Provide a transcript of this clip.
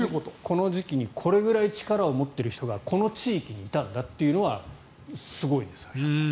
この時期にこれくらい力を持っている人がこの地域にいたんだというのはすごいですよね。